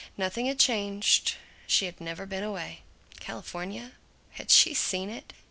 Nothing had changed. She had never been away. California? Had she seen it?